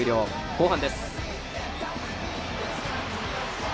後半です。